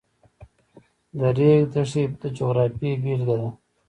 د ریګ دښتې د جغرافیې بېلګه ده.